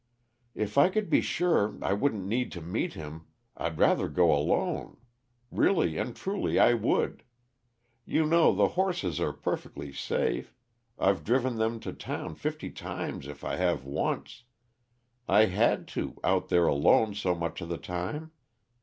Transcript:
"If I could be sure I wouldn't need to meet him, I'd rather go alone; really and truly, I would. You know the horses are perfectly safe I've driven them to town fifty times if I have once. I had to, out there alone so much of the time.